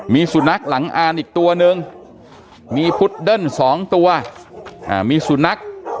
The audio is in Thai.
มีสุนัขหลังอ่านอีกตัวนึงมีพุดเดิ้ล๒ตัวมีสุนัข